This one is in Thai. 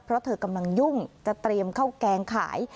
เพราะเธอกำลังยุ่งจะเตรียมข้าวแกงขาย